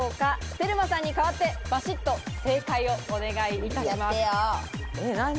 テルマさんに代わってバシっと正解をお願いいたします。